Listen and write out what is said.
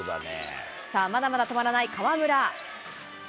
まだまだ止まらない河村。